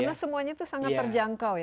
karena semuanya itu sangat terjangkau ya